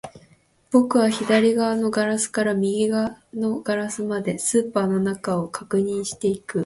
僕は左端のガラスから右端のガラスまで、スーパーの中を確認していく